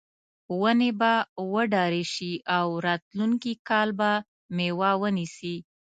ونې به وډارې شي او راتلونکي کال به میوه ونیسي.